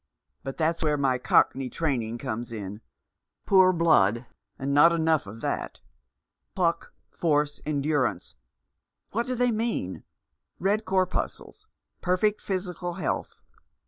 But that's where my cockney training comes in — poor blood, and not enough of that. Pluck, force, endurance, what do they mean ? Red corpuscles — perfect physical health.